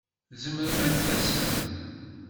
Tzemrem ad d-tasem?